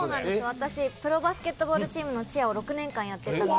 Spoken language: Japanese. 私、プロバスケットボールチームのチアを６年間やってたので。